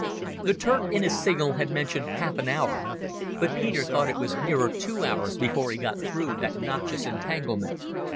The Turk in his signal had mentioned half an hour, but Peter thought it was nearer two hours before he got through that noxious entanglement.